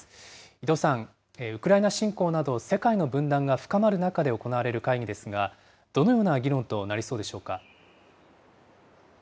伊藤さん、ウクライナ侵攻など世界の分断が深まる中で行われる会議ですが、どのような議論となりそうでしょうか。